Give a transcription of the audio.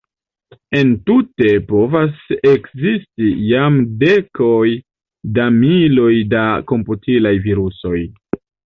Entute povas ekzisti jam dekoj da miloj da komputilaj virusoj.